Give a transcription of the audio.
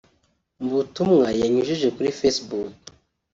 Mu butumwa yanyujije kuri Facebook